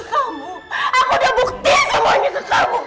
kenapa kamu masih tega sama aku